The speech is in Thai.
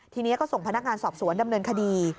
ทีนี้ก็ส่งพนักงานสอบสวนดำเนินคดี